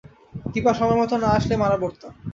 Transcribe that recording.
দিপা সময়মতো না আসলে মারা পড়তাম।